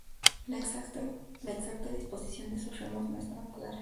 La exacta disposición de sus remos no está clara.